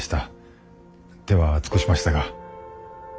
手は尽くしましたが。